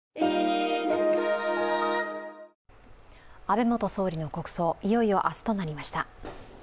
安倍元総理の国葬、いよいよ明日となりました。